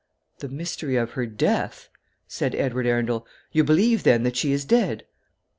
"The mystery of her death?" said Edward Arundel; "you believe, then, that she is dead?"